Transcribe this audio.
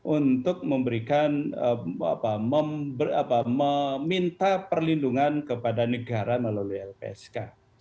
untuk memberikan meminta perlindungan kepada negara melalui lpsk